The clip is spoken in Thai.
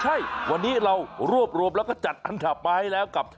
ใช่วันนี้เรารวบรวมแล้วก็จัดอันดับมาให้แล้วกับ